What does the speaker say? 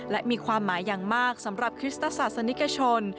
และมีความหมายอย่างมากสำหรับคริสตศาสนิกชน